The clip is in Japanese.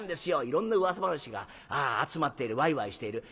いろんなうわさ話が集まってるワイワイしている。